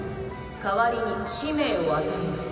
かわりに使命を与えます。